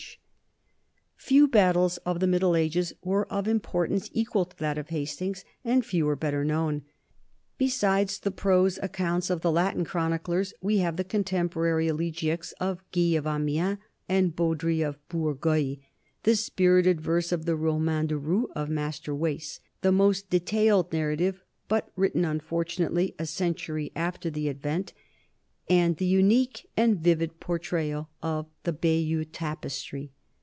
76 NORMANS IN EUROPEAN HISTORY Few battles of the Middle Ages were of importance equal to that of Hastings, and few are better known. Besides the prose accounts of the Latin chroniclers, we have the contemporary elegiacs of Guy of Amiens and Baudri of Bourgueil, the spirited verse of the Roman de Ron of Master Wace, the most detailed narrative but written, unfortunately, a century after the event, and the unique and vivid portrayal of the Bayeux Tapestry.